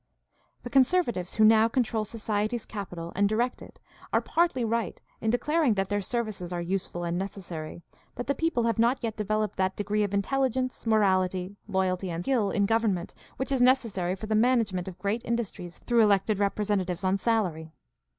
The conservatives who now control society's capital and direct it are partly right in declaring that their services are useful and necessary; that the people have not yet developed that degree of intelligence, morality, loyalty, and skill in 692 GUIDE TO STUDY OF CHRISTIAN RELIGION government which is necessary for the management of great industries through elected representatives on salary.